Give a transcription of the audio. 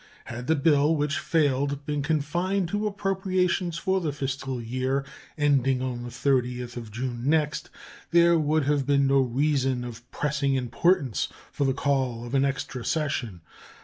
Had the bill which failed been confined to appropriations for the fiscal year ending on the 30th June next, there would have been no reason of pressing importance for the call of an extra session.